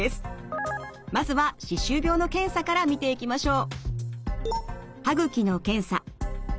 まずは歯周病の検査から見ていきましょう。